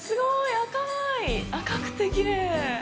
赤くてきれい。